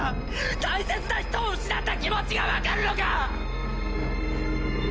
大切な人を失った気持ちが分かるのか？